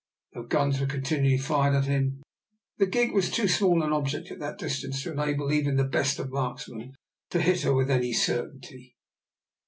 Though guns were continually fired at him, the gig was too small an object at that distance to enable even the best of marksmen to hit her with any certainty.